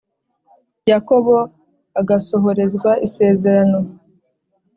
Yakobo agasohorezwa isezerano